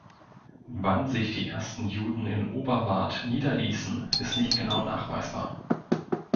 Wann sich die ersten Juden in Oberwart niederließen, ist nicht genau nachweisbar.